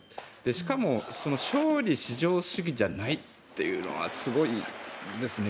しかも、勝利至上主義じゃないというのはすごいですね。